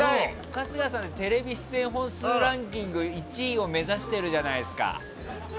春日さんってテレビ出演本数ランキング１位を目指してるじゃないですか。